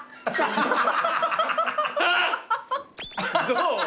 どう？